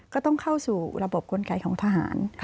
ก็ต้องเข้าสู่ระบบกลไกของทหาร